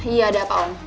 iya ada apa om